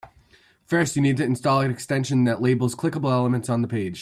First, you need to install an extension that labels clickable elements on the page.